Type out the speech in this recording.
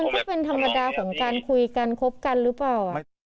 ก็เป็นธรรมดาของการคุยกันคบกันหรือเปล่า